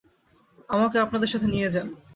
আমাকেও আপনাদের সাথে নিয়ে যান!